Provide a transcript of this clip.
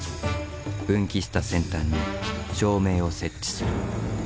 分岐した先端に照明を設置する。